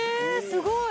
すごい！